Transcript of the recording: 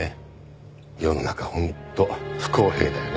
世の中本当不公平だよね。